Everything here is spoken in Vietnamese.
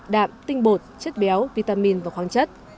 đạm tinh bột chất béo vitamin và khoáng chất